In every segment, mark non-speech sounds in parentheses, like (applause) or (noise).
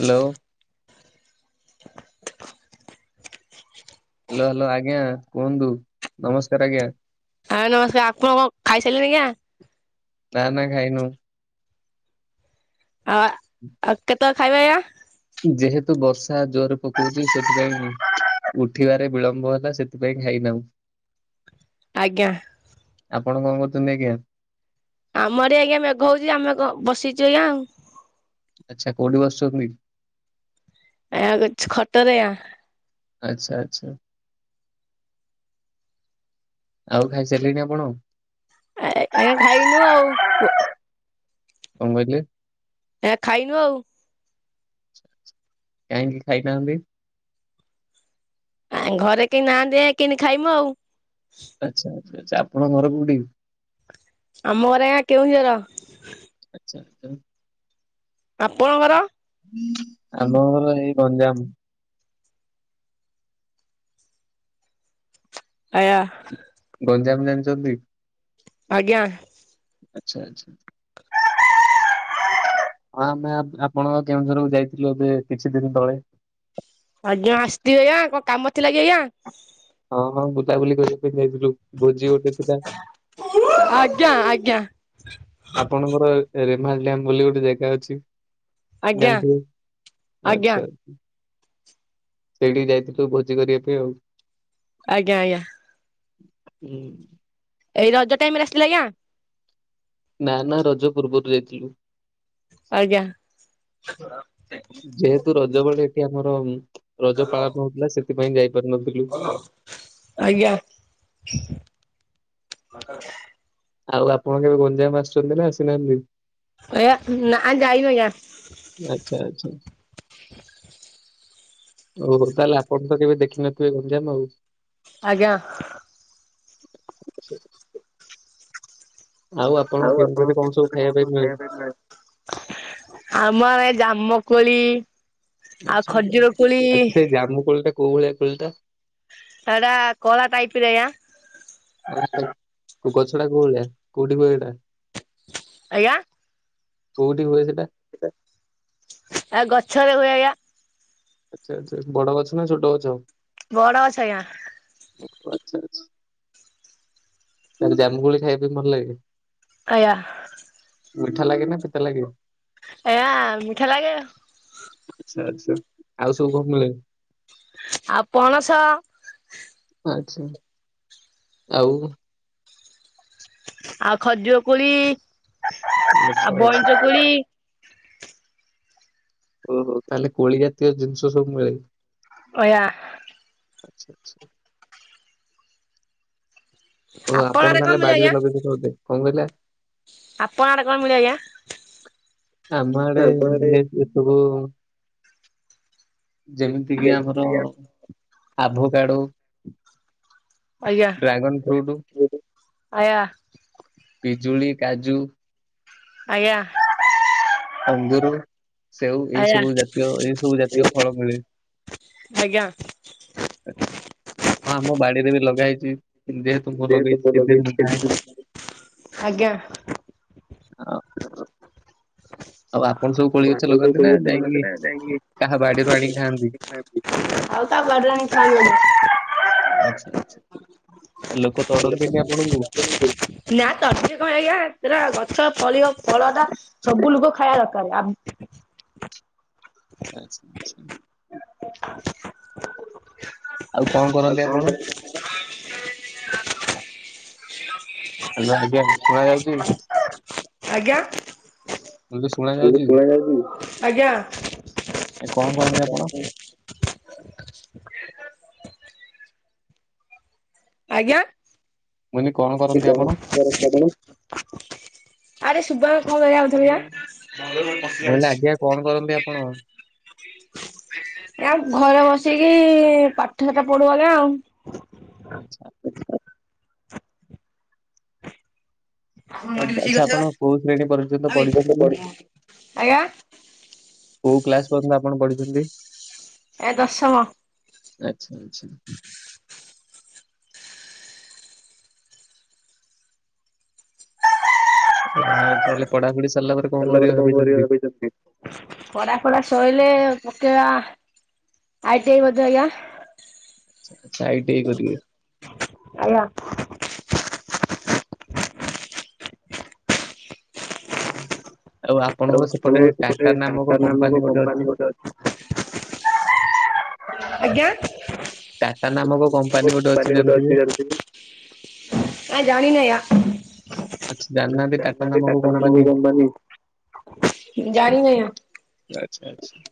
Hello. Hello hello ଆଜ୍ଞା କୁହନ୍ତୁ ନମସ୍କାର ଆଜ୍ଞା। ହଁ ନମସ୍କାର ଆପଣ କଣ ଖାଇସାରିଲେ ଆଜ୍ଞା? ନା ନା ଖାଇନୁ। ଆ ଆଉ କେତେଳେ ଖାଇବା ଆଜ୍ଞା? ଯେହେତୁ ବର୍ଷା ଜୋରରେ ପକଉଛି ସେଥିପାଇଁ ଉଠିବାରେ ବିଳମ୍ବ ହେଲା ସେଥିପାଇଁ ଖାଇନାହୁଁ। ଆଜ୍ଞା। ଆପଣ କଣ କରୁଛନ୍ତି ଆଜ୍ଞା? ଆମରି ଆଜ୍ଞା ମେଘ ହଉଛି ଆମେ କଣ ବସିଛୁ ଆଜ୍ଞା ଆଉ। ଆଚ୍ଛା କଉଠି ବସିଛନ୍ତି? ଆ ଗୋଟେ ଖଟରେ ଆ ଆଚ୍ଛା ଆଚ୍ଛା। ଆଉ ଖାଇସାରିଲେଣି ଆପଣ? ଆ ଆଜ୍ଞା ଖାଇନୁ ଆଉ। କଣ କହିଲେ? ଏ ଖାଇନୁ ଆଉ। କାହିଁକି ଖାଇ ନାହାନ୍ତି? ଆ ଘରେ କେହି ନାହାନ୍ତି ଏ କେନି ଖାଇମୁ ଆଉ ଆଚ୍ଛା ଆଚ୍ଛା ଆପଣ ଘର କୋଉଠି? ଆମ ଘର ଆଜ୍ଞା କେଉଁଝର। ଆଚ୍ଛା ତ ଆପଣଙ୍କର? ଆମ ଘର ଏଇ ଗଞ୍ଜାମ ଆଜ୍ଞା। ଗଞ୍ଜାମ ଜାଣିଛନ୍ତି। ଆଜ୍ଞା। ଆଚ୍ଛା ଆଚ୍ଛା। ହଁ ଆମେ ଆପଣ କେଉଁଝରକୁ ଯାଇଥିଲୁ ଏବେ କିଛି ଦିନ ତଳେ ଆଜ୍ଞା ଆସିଥିବେ ଆଜ୍ଞା କଣ କାମ ଥିଲା କି ଆଜ୍ଞା? ହଁ ହଁ ବୁଲାବୁଲି କରିବା ପାଇଁ ଯାଇଥିଲୁ। ଭୋଜି ଗୋଟେ ଥିଲା। ଆପଣଙ୍କର ରେମାଲ ଡ୍ୟାମ୍ ବୋଲି ଗୋଟେ ଜାଗା ଅଛି। ଜାଣିଥିବେ ଆଚ୍ଛା। ସେଇଠି ଯାଇଥିଲୁ ଭୋଜି କରିବା ପାଇଁ ଆଉ। ଆଜ୍ଞା ଆଜ୍ଞା। ହୁଁ। ଏଇ ରଜ ଟାଇମ ରେ ଆସିଥିଲେ ଆଜ୍ଞା ନା ନା ରଜ ପୂର୍ବରୁ ଯାଇଥିଲୁ ଆଜ୍ଞା ଯେହେତୁ ରଜ ବେଳେ ଏଠି ଆମର ରଜ ପାଳନ ହଉଥିଲା ସେଥିପାଇଁ ଯାଇପାରି ନଥିଲୁ। ଆଜ୍ଞା ଆଉ ଆପଣ କେବେ ଗଞ୍ଜାମ ଆସିଛନ୍ତି ନା ଆସିନାହାନ୍ତି? ଆଜ୍ଞା ନା ଆ ଯାଇନି ଆଜ୍ଞା ଆଚ୍ଛା ଆଚ୍ଛା ହଉ ତାହେଲେ ଆପଣ ତ କେବେ ଦେଖିନଥିବେ ଗଞ୍ଜାମ ଆଉ ଆଜ୍ଞା ଆଉ ଆପଣ କେମି (unintelligible) କଣ ସବୁ ଖାଇବା ପାରିବ ନାଁ ଆମର ଏଇ ଜାମୁକଳି ଆଚ୍ଛା ଆଚ୍ଛା ଆ ସେ ଜାମୁ କୋଳିଟା କୋଉ ଭଳିଆ କୋଳିଟା? ସେଇଟା କଳା ଟାଇପ ରେ ଆଜ୍ଞା ଗଛଟା କୋଉ ଭଳିଆ କୋଉଠି ହୁଏ ଏଇଟା? ଆଜ୍ଞା କୋଉଠି ହୁଏ ସେଟା ଆ ଗଛରେ ହୁଏ ଆଜ୍ଞା ଆଚ୍ଛା ଆଚ୍ଛା ବଡ଼ ଗଛ ନା ଛୋଟ ଗଛ? ବଡ଼ ଗଛ ଆଜ୍ଞା ଓ ଆଚ୍ଛା ଆଚ୍ଛା ତା ହେଲେ ଜାମୁକୋଳି ଖାଇବା ବି ଭଲ ଲାଗେ। ଆଜ୍ଞା ମିଠା ଲାଗେ ନା ପିତା ଲାଗେ? ଆଜ୍ଞା ମିଠା ଲାଗେ। ଆଛା ଆଛା ଆଉ ସବୁ କଣ ମିଳେ? ଆଉ ପଣସ ଆଛା ଆଉ ଆଉ ଖଜୁୁର କୋଳି ଆଉ ବଇଁଚ କୋଳି। ଓହୋ ତାହେଲେ କୋଳି ଜାତୀୟ ଜିନିଷ ସବୁ ମିଳେ। ଅ ଇୟା। ଆଛା ଆଛା। ଓହ ଆପଣ ତାହେଲେ ବାଡିରେ ଲଗେଇ ଦେଇଚ ବୋଧେ ଙ୍କ କରିଆ? ଆପଣଙ୍କ ଆଡେ କଣ ମିଳେ ଆଜ୍ଞା? ଆମ ଆଡେ ନେ ଏ ସବୁ ଯେମିତି କିି ଆମର ଆଭକାଡୋ। ଡ୍ରାଗନ ଫ୍ରୁଟ୍ ପିଜୁଳି କାଜୁ। ଆଜ୍ଞା। ଅଙ୍ଗୁରୁ ସେଉ ଏଇ ସବୁ ଜାତୀୟ ଏଇ ସବୁ ଜାତୀୟ ଫଳ ମିଳେ। ଆଚ୍ଛା ହଁ ଆମ ବାଡିରେ ବି ଲଗା ହେଇଚି ଯେହେତୁ ମୁଁ କଣ କଣ ଲହେଇଚି କେତେଦିନି ଥାଏ ଆଉ। ଲାଟିନ୍ ଯାଇକି ପଳି ଆସିଲେ ଖଅନ୍ତି ନା ଯାଇଁ କି ଆଉ ତା ବଡିରେ ଅଣୀକି ଖାଇବୁ ଏଇନା। ଆଛା ଆଛା, ଲୋକ ତଡନ୍ତିନି ଆପଣଙ୍କୁ? ନା ତମେ ଙ୍କ ଏଇଆ ରା ଗଛ ଫଳିବ ଫଳ ଟା ସବୁ ଲୁକ ଖାଇବା ଦରକାର ଆବ୍ ଆଛା ଆଛା ଆଉ କଣ କରନ୍ତି ଆପଣ? (inaudible) ହାଲୋ ଅଜ୍ଞା ଶୁଣା ଯାଉଚି? ଅଜ୍ଞା ମୁକଇଲି ଶୁଣା ଯାଉଚି ଅଜ୍ଞା। ଏ କଣ କରନ୍ତି ଆପଣ? ଆଜ୍ଞା (unintelligible) (unintelligible) ବହିଲି ଆଜ୍ଞା କଣ କରନ୍ତି ଆପଣ? ଏ ଆଉ ଘରେ ବସିକି ପାଠ ଷାଠ ପଢୁ ଆଜ୍ଞା ଆଉ। ଆଚ୍ଛା। ଆପ୍ ଆଚ୍ଛା ଆପଣ କୋଉ ଶ୍ରେଣୀ ପର୍ଯ୍ୟନ୍ତ ପଢିଛନ୍ତି? କୋଉ କ୍ଲାସ୍ ପର୍ଯ୍ୟନ୍ତ ଆପଣ ପଢିଚନ୍ତି? ଏ ଦଶମ। ଆଚ୍ଛା ଆଚ୍ଛା ହୁଁ। ଆଉ ତାହେଲେ ପଢାପଢି ସିରଲା ପରେ କଣ କରିବେ ଭାବିଚନ୍ତି? ପରା ଫଳ ସଇଲେ ପକେଇବା। ଆଇ ଟିଆଇ ବୋଧେ ଆଜ୍ଞା। (inaudible) ଆଇ ଟି ଆଇ କରିବେ। ଆଜ୍ଞା। ଆଉ (inaudible) ଗୋଟେ ଟାଟା ନାମକ କମ୍ପାନୀ ଗୋଟେ ଅଛି। ଆଜ୍ଞା? (inaudible) କାଲି ଗୋଟେ ଅଛି ଜାଣିଥିବୁ ଆ ଜାଣିନାଇ ଆ ଜାଣି ନାହାନ୍ତି ଟାଟା ନାମକ କମ୍ପାନୀ ଜାଣି ନାଇଁ ଆଜ୍ଞା। ଆଚ୍ଛା ଆଚ୍ଛା।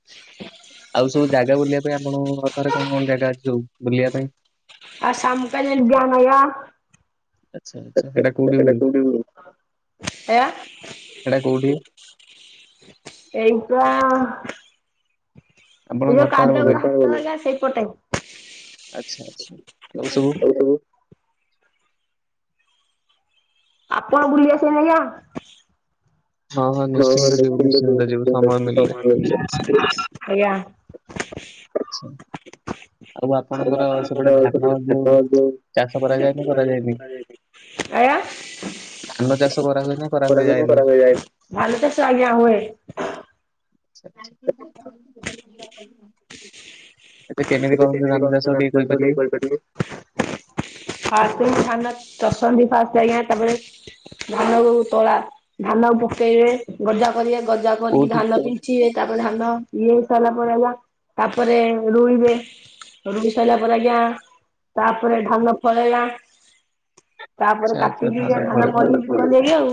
(inaudible) ଆଉ ସବୁ ଜାଗା ବୁଲିବା ପାଇଁ ଆପଣଙ୍କ ଘର ପାଖରେ କଣ କଣ ଜାଗା ଅଛି ସବୁ ବୁଲିବା ପାଇଁ? ଆଉ ସାମ୍ କାରି ଡନ୍ ଆଜ୍ଞା। ଆଚ୍ଛ ଆଚ୍ଛା ହେଟା କୋଉଠି ହୁଏ? ହେଟା କୋଉଠି? ଏଇପାଁ ସେ ଯୋଉ କାଲା (unintelligible) ସେଇପଟେ ଆଚ୍ଛା ଆଚ୍ଛା ଆଉ ସବୁ ଆପଣ ବୁଲି ଆସିବେନି ଆଜ୍ଞା? (unintelligible) ଆଚ୍ଛା ଆଉ ଆପଣଙ୍କର ସେପଟେ ଧାନ ଯୋଉ ଚାଷ କରାଯାଏ ନା କରାଯାଏନି ଆୟ ଧାନ ଚାଷ କରାହୁଏ ନା କରାହଯାଏନି ଥାନ ଚାଷ ଆଜ୍ଞା ହୁଏ ଆଚା ଏତେ କେମିତି କଣ ହୁଏ ଧାନ ଚାଷ ସବୁ ଟିକେ କହିପାରିବେ ଫାଷ୍ଟ ଧାନ ତସନ୍ଦି ଫାଷ୍ଟ ଆଜ୍ଞା ତାପରେ ଧାନ କୁ ତଳା ଧାନକୁ ପକେଇବେ ଗଜା କରିବେ ଗଜା କରିକି ଧାନ ପିନ୍ଛିିବେ ତାପରେ ଧାନ ଇଏ ହେଇ ସାରିଲା ପରେ ହେଲା ତାପରେ ରୁଇବେ ରୁଇ ସାଇିଲା ପରେ ଆଜ୍ଞା ତାପରେ ଧାନ ଫଳେଇଲା ତାପରେ କାଟିକି ଯ ଧାନା ବିକି ପୁର ଯବି ଆଉ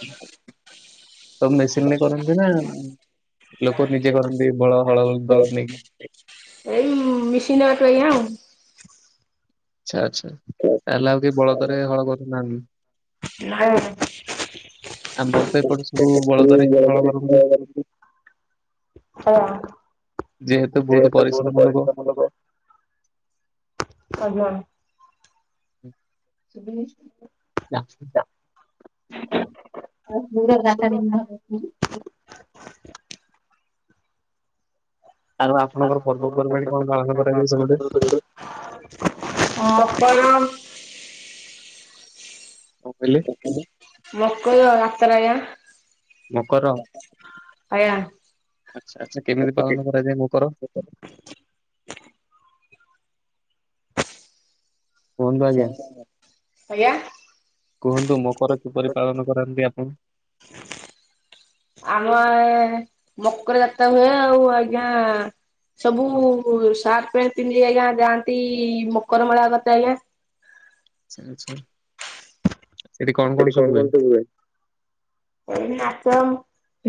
ତ ସବୁ ମେସିନ୍ କରନ୍ତି ନା ଲୋକ ନିଜେ କରନ୍ତି ବଳ ହଳ ଦନ ନେଇକି ଏଇ ମିସିନ୍ ରେ ତ ଆଜ୍ଞା ଆଉ ଆଚ୍ଛା ଆଚ୍ଛା ତାହେଲେ ଆଉ କିଏ ବଳଦରେ ହଳ କରୁନାହାନ୍ତି ନାଇଁ ଆଜ୍ଞା ବରେ ବଳଦରେ ହଳ କରନ୍ତି ଯେହେତୁ ବହୁତ ପରିଶ୍ରମ ଲୋକ ଆଜ୍ଞା। (unintelligible) (unintelligible) (inaudible) ଆଉ ଆପଣଙ୍କର ପର୍ବପର୍ବାଣି କଣ ପାଳନ କରାଯାଏ ସେ ପଟେ? ହଁ (unintelligible) କଣ କହି ମକର ଆତର ଆଜ୍ଞା। ଆଜ୍ଞା। ଆଜ୍ଞା। କୁହନ୍ତୁ ମକର କିପରି ପାଳନ କରାନ୍ତି ଆପଣ? (inaudible) ଆମ ମକର ଯାତ ହୁଏ ଆଉ ଆଜ୍ଞା। ସବୁ ସାର୍ଟ ପ୍ୟାଣ୍ଟ ପିନ୍ଧି କି ଆଜ୍ଞା ଯାଆନ୍ତି ମକର ମେଳା ଗତି ଆଜ୍ଞା। ଆଚ୍ଛା। ସେଠି କଣ କଣ ସବୁ ହୁଏ? ନାଚ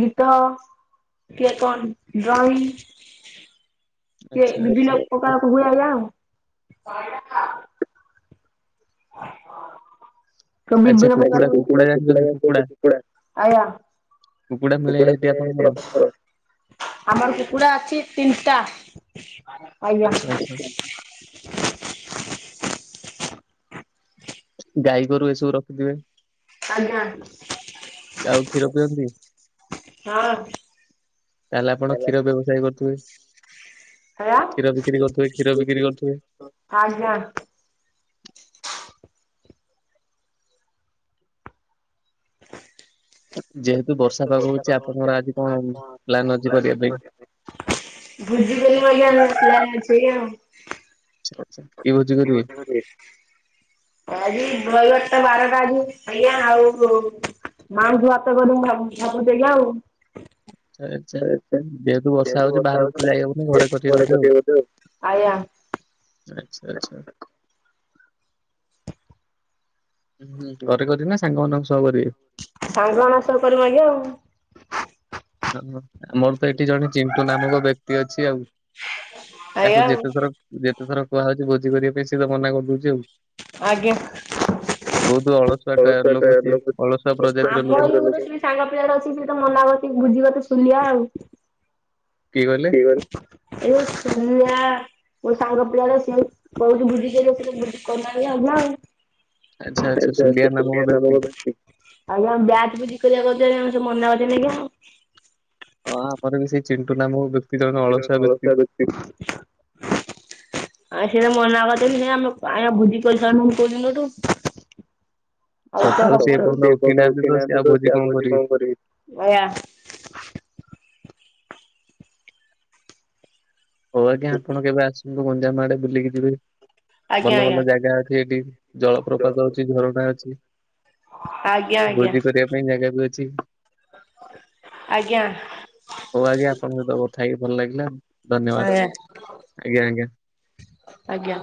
ଗୀତ କିଏ କଣ ଡ୍ରଇଂ। କିଏ ବିଭିନ୍ନ ପ୍ରକାର ସବୁ ହୁଏ ଆଜ୍ଞା ଆଉ। କୁକୁଡ଼ା ନାଚ କୁକୁଡ଼ା। କୁକୁଡ଼ା (unintelligible) ଆମର କୁକୁଡା ଅଛି ତିନିଟା ଆଜ୍ଞା। ଗାଈ ଗୋରୁ ଏସବୁ ରଖିଥିବେ ଆଉ କ୍ଷୀର ପିଅନ୍ତି। ହଁ। ତାହେଲେ ଆପଣ କ୍ଷୀର ବ୍ୟବସାୟ କରୁଥିବେ? ଆଜ୍ଞା। ଯେହେତୁ ବର୍ଷା ପାଗ ହଉଛି ଆପଣଙ୍କର ଆଜି କଣ ପ୍ଲାନ ଅଛି କରିବା ପାଇଁ? ଭୁଜିିକରିବୁ ବୋଲି ପ୍ଲାନିଂ ଅଛି। ଆଛା। (unintelligible) ଆଜି ରଇବାରଟା ବାରଟା ଆଜି ଖାଇ ଆଉ। ମାଉଁସ ଭାତ କରିମୁ ଭାବୁଚୁ ତା ପରେ ଦେଖିଆ ଆଉ। ଆଛା ଯେହେତୁ ବର୍ଷା ହଉଛି ବାହାରକୁ ତ ଯାଇ ହବନି ଘରେ କରି ବୋଧେ ଆଉ। ଆୟା ଆଚ୍ଛା। ଆଚ୍ଛା। ହୁଁ ଘରେ କରିବେ ନା ସାଙ୍ଗମାନଙ୍କ ସହ କରିବେ। ସାଙ୍ଗ ନାଶ କରିିବ ଆଗେ ଆଉ। ନା ନା ଆମର ତ ଏଠି ଜଣେ ଚିଣ୍ଟୁ ନାମକ ବ୍ୟକ୍ତି ଅଛି ଆଉ ତାକୁ ଯେତେ ଥର ଯେତେ ଥର କୁହାହଉଛି ଭୋଜି କରିବା ପେଇଁ ସିଏତ ମନା କରଦଉଛି ଆଉ। ଆଜ୍ଞା! ଳ (unintelligible) ସାଙ୍ଗ ପିଲା ଗୁରେ ଅଛି ସିଏତ ତ ମନା କରୁଚି ଭୁଜି ଭାତ ଶୁଲିଆ ଆଉ। କିଏ କ ଇଏ ସୋମ୍ୟା। ମୋ ସାଙ୍ଗ ପିଲା ଗୁରା ସିଏ କହୁଚି ଭୁଜି କରିଆକୁ ସିଏତ ଭୋଜି କରୁନାହାନ୍ତି ଆଉ। ଜମାଆଉ ଆଚ୍ଛା ଆଚ୍ଛା ସୋମ୍ୟା ନାମକ ବ୍ୟକ୍ତି। ଆଜ୍ଞା ବ୍ୟାଚ ଭୁଜି କରିବା କଥା କେମ ସିଏ ମନା କରିଏ ନେଇ କି କଁ ହଁ ଆମର ବି ସେଇ ଚିଣ୍ଟୁ ନାମକ ବ୍ୟକ୍ତି ଯେତିକ ସବୁ ଅଳସୁଆ ଗୋଷ୍ଟି। ଆଉ ସିଏ ମନା କରୁଛନ୍ତି ସିଏ ଆମେ କ ଆଜ୍ଞା ଭୋଜି କରି ପାରୁନୁ କୋଉ ଦିନଠୁ। ସକାଳୁ ସିଏ ଏପର୍ଯ୍ୟନ୍ତ ଉଠି ନାହାନ୍ତି ତ ସିଏ ଆଉ ଭୋଜି କଁ କରିବେ। ଆଜ୍ଞା! ହଉ ଆଜ୍ଞା ଆପଣ କେବେ ଆସନ୍ତୁ ଗଞ୍ଜାମ ଆଡେ ବୁଲିକି ଯିବେ। ଭଲ ଭଲ ଜାଗା ଅଛି ଏଠି ଜଳପ୍ରପାତ ଅଛି ଝରଣା ଅଛି। ଭୋଜି କରିଆ ପାଇଁ ଜାଗା ବି ଅଛି। ଆଜ୍ଞା! ହଉ ଆଜ୍ଞ ଆପଣଙ୍କ ସହ କଥା ହେଇକି ଭଲ ଲାଗିଲା। ଆଜ୍ଞା ଆଜ୍ଞା!